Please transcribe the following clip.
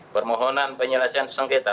permohonan penyelesaian sengketa